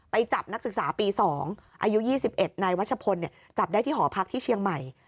จับนักศึกษาปี๒อายุ๒๑นายวัชพลจับได้ที่หอพักที่เชียงใหม่